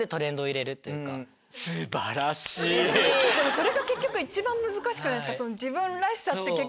それが結局一番難しくないですか？